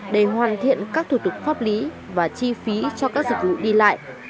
để hoàn thiện các thủ tục pháp lý và chi phí cho các dịch vụ đi lại